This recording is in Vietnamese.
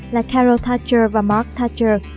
là carol thatcher và mark thatcher